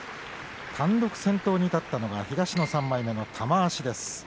単独先頭に立ったのが東の３枚目の玉鷲です。